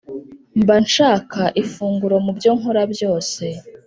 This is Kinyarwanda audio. mba nshaka ifunguro mu byo nkora byose